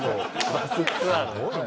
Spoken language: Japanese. バスツアーだ。